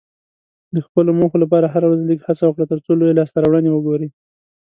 د خپلو موخو لپاره هره ورځ لږه هڅه وکړه، ترڅو لویې لاسته راوړنې وګورې.